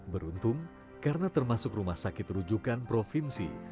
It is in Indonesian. beruntung karena termasuk rumah sakit rujukan provinsi